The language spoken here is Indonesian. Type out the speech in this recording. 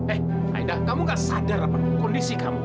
eh aida kamu gak sadar apa kondisi kamu